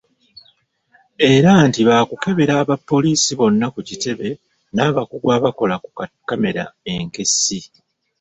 Era nti baakukebera abapoliisi bonna ku kitebe n’abakugu abakola ku kkamera enkessi.